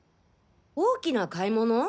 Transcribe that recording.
大きな買い物？